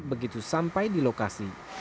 begitu sampai di lokasi